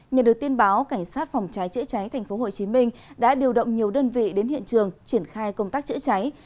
nhận được tin báo cảnh sát phòng cháy chữa cháy tp hcm đã điều động nhiều đơn vị đến hiện trường triển khai công tác chữa cháy